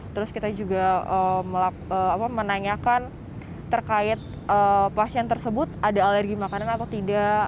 terus kita juga menanyakan terkait pasien tersebut ada alergi makanan atau tidak